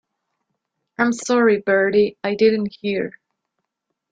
I'm sorry, Bertie, I didn't hear.